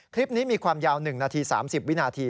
คลิปนี้มีความยาว๑นาที๓๐วินาที